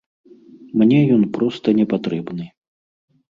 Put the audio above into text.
Мне ён проста не патрэбны.